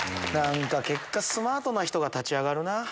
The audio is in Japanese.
結果スマートな人が立ち上がるなぁ。